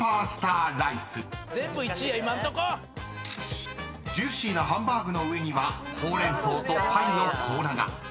［ジューシーなハンバーグの上にはホウレンソウとパイのこうらが］